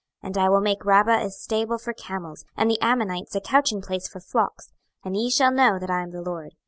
26:025:005 And I will make Rabbah a stable for camels, and the Ammonites a couching place for flocks: and ye shall know that I am the LORD.